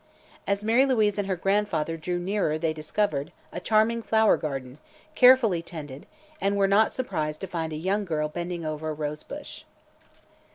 As Mary Louise and her grandfather drew nearer they discovered a charming flower garden, carefully tended, and were not surprised to find a young girl bending over a rosebush.